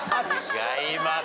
違います。